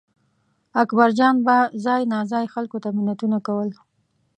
اکبرجان به ځای ناځای خلکو ته منتونه کول.